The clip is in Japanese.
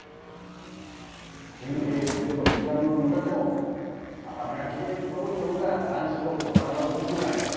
神経質でも時間の無駄でも頭がキレイにそろっちょるんがさんしのお魚ボックスなんよ。